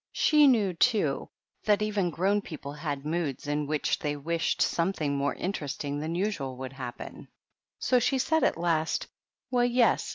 She knew, too, that even grown people some times have moods in which they wish something more interesting than usual would happen; so she said, at last, — "Well, yes.